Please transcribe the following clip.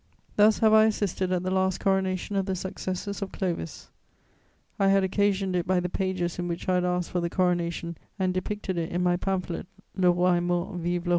Thus have I assisted at the last coronation of the successors of Clovis; I had occasioned it by the pages in which I had asked for the coronation and depicted it in my pamphlet, _Le Roi est mort: vive le roi!